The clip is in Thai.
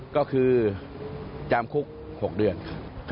ก็คือจำคุกหกเดือนค่ะ